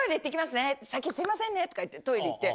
先すいませんねとか言ってトイレ行って。